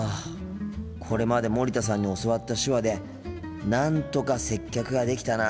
これまで森田さんに教わった手話でなんとか接客ができたなあ。